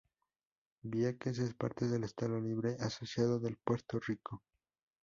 Vieques es parte del Estado libre asociado de Puerto Rico.